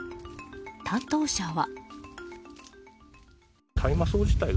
担当者は。